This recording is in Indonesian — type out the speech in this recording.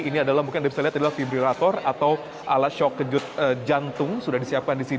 ini adalah mungkin anda bisa lihat adalah fibrirator atau alas shock kejut jantung sudah disiapkan di sini